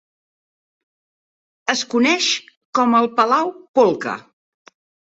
Es coneix com el Palau Polca.